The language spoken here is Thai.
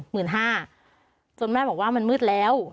หมื่นห้าจนแม่บอกว่ามันมืดแล้ว